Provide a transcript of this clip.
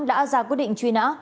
đã ra quyết định truy nã